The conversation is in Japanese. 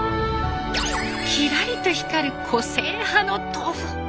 キラリと光る個性派の豆腐。